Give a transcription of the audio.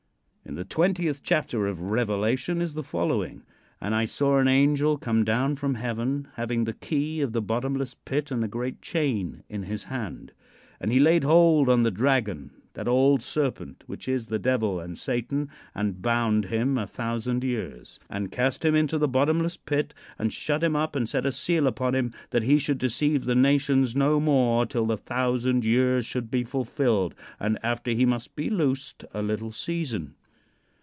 In the twentieth chapter of Revelation is the following: "And I saw an angel come down from heaven, having the key of the bottomless pit and a great chain in his hand. "And he laid Hold on the dragon that old serpent, which is the Devil and Satan and bound him a thousand years. "And cast him into the bottomless pit, and shut him up, and set a seal upon him, that he should deceive the nations no more till the thousand years should be fulfilled; and after he must be loosed a little season."